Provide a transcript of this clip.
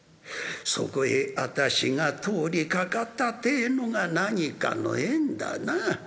そこへ私が通りかかったってえのが何かの縁だな。